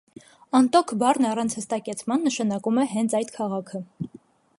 Անտոք բառն առանց հստակեցման նշանակում է հենց այդ քաղաքը։